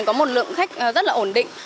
có một lượng khách rất là ổn định